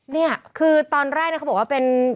เนี่ยคือตอนแรกเขาบอกว่าเป็น